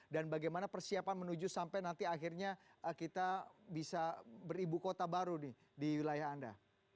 dan bagaimana persiapan menuju sampai nanti akhirnya kita bisa beribu kota baru di wilayah anda